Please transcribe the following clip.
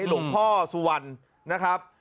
หลวงพ่อสุวรรณนะครับ